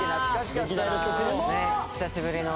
久しぶりの」